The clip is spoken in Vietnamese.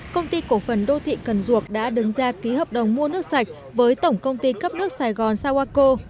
công ty cổ phần đô thị cần duộc đã đứng ra ký hợp đồng mua nước sạch với tổng công ty cấp nước sài gòn sawako